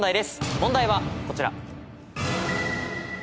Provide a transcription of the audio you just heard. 問題はこちら。